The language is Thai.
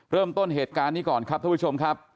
เริ่มต้นเหตุการณ์นี้ก่อนครับท่านผู้ชมครับ